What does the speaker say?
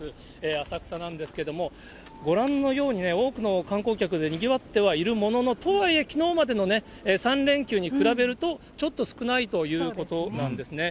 浅草なんですけれども、ご覧のように、多くの観光客でにぎわってはいるものの、とはいえ、きのうまでの３連休に比べると、ちょっと少ないということなんですね。